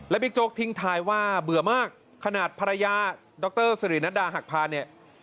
บิ๊กโจ๊กทิ้งท้ายว่าเบื่อมากขนาดภรรยาดรสิรินัดดาหักพาเนี่ย